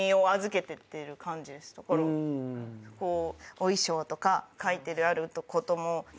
お衣装とか書いてあることも監督が。